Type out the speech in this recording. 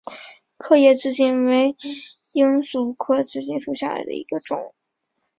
刻叶紫堇为罂粟科紫堇属下的一个种。